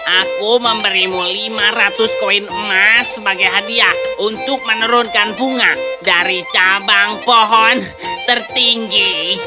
aku memberimu lima ratus koin emas sebagai hadiah untuk menurunkan bunga dari cabang pohon tertinggi